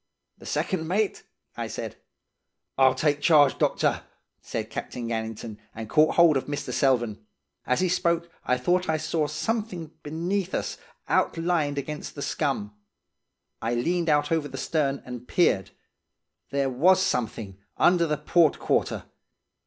"'The second mate?' I said. "'I'll take charge doctor,' said Captain Gannington, and caught hold of Mr. Selvern. As he spoke, I thought I saw something beneath us, outlined against the scum. I leaned out over the stern, and peered. There was something under the port quarter.